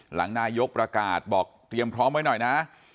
หลังนายกประกาศบอกเตรียมพร้อมไว้หน่อยนะ